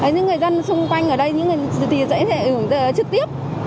những người dân xung quanh ở đây thì sẽ trực tiếp